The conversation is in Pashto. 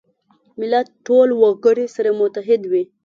ملت ټول وګړي سره متحد وي.